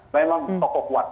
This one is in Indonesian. memang pokok kuat